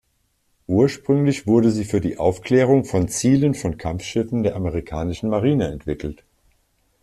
Ursprünglich wurde sie für die Aufklärung von Zielen von Kampfschiffen der amerikanischen Marine entwickelt.